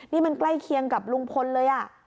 นี่มันใกล้เคียงกับลุงพลเลย